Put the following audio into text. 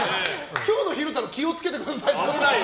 今日の昼太郎気を付けてください。